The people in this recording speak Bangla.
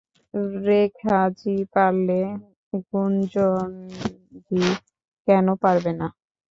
রেখাজী পারলে, গুঞ্জনজী কেন পারবে না?